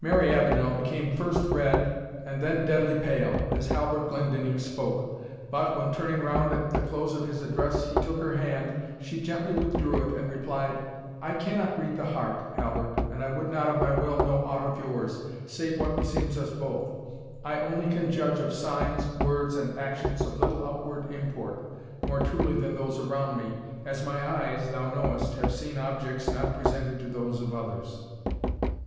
Mary Avenel became first red, and then deadly pale, as Halbert Glendinning spoke. But when, turning round at the close of his address, he took her hand, she gently withdrew it, and replied, "I cannot read the heart, Halbert, and I would not of my will know aught of yours, save what beseems us both I only can judge of signs, words, and actions of little outward import, more truly than those around me, as my eyes, thou knowest, have seen objects not presented to those of others."